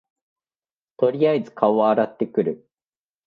とりあえず顔洗ってくる